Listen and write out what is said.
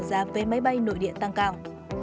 giá vé máy bay nội điện tăng cao